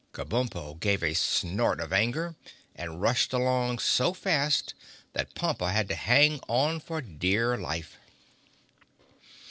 Kabumpo gave a snort of anger and rushed along so fast that Pompa had to hang on for dear life.